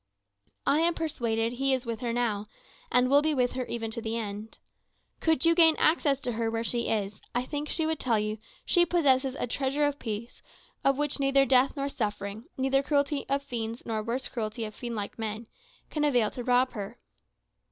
I am persuaded He is with her now, and will be with her even to the end. Could you gain access to her where she is, I think she would tell you she possesses a treasure of peace of which neither death nor suffering, neither cruelty of fiends nor worse cruelty of fiend like men, can avail to rob her."